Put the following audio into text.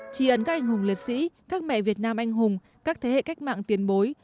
chỉ ấn các anh hùng liệt sĩ các mẹ việt nam anh hùng các thế hệ cách mạng tiến bối